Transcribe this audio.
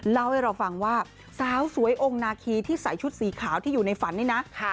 เล่าให้เราฟังว่าสาวสวยองค์นาคีที่ใส่ชุดสีขาวที่อยู่ในฝันนี่นะ